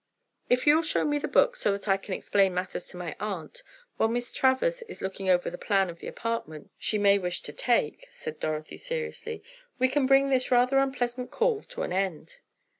"If you'll show me the books, so that I can explain matters to my aunt, while Miss Travers is looking over the plan of the apartment she may wish to take," said Dorothy seriously, "we can bring this rather unpleasant call to an end."